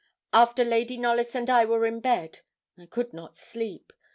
After Lady Knollys and I were in bed, I could not sleep.